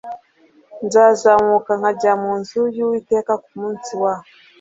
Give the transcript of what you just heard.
nzazamuka nkajya mu nzu y uwiteka ku munsi wa